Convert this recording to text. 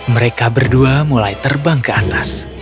mereka berdua mulai terbang ke atas